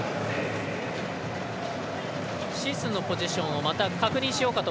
シスのポジションをまた確認します。